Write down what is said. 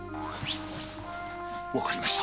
わかりました。